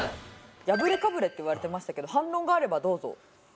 「やぶれかぶれ」って言われてましたけど反論があればどうぞ。